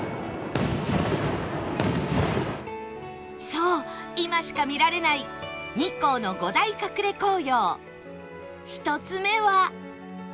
そう今しか見られない日光の５大隠れ紅葉１つ目は